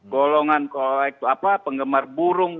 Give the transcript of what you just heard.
golongan kolektor apa penggemar burung